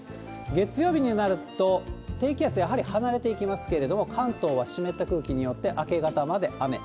月曜日になると、低気圧はやはり離れていきますけれども、関東は湿った空気によって、明け方まで雨。